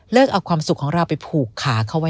เลิกเอาความสุขของเราไปผูกหาเขา